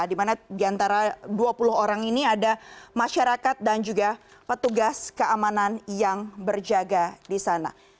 dimana diantara dua puluh orang ini ada masyarakat dan juga petugas keamanan yang berjaga disana